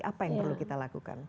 apa yang perlu kita lakukan